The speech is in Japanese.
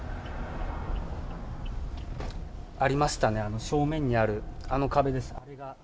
ありましたね、あの正面にあるあの壁です。